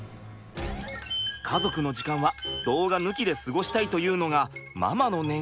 家族の時間は動画抜きで過ごしたいというのがママの願い。